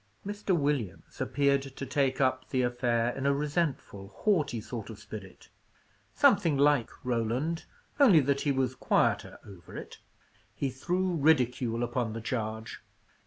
Mr. Williams appeared to "take up the affair" in a resentful, haughty sort of spirit, something like Roland, only that he was quieter over it. He threw ridicule upon the charge.